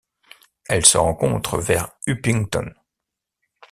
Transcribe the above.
Elle se rencontre vers Upington.